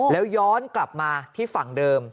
แล้วย้อนกลับมาที่ฝั่งเดิม